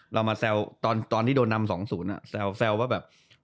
เรามาแซวตอนที่โดนนำ๒๐แซวว่าแบบ